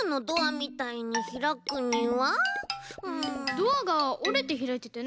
ドアがおれてひらいてたよね？